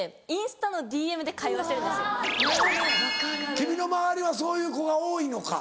君の周りはそういう子が多いのか？